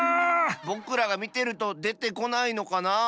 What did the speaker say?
ぼくらがみてるとでてこないのかなあ。